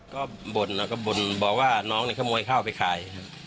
ก็บ่นนะครับบ่นบอกว่าน้องเนี่ยขโมยข้าวไปขาย